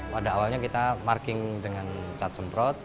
pada awalnya kita marking dengan cat semprot